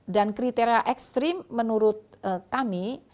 dan kriteria ekstrim menurut kami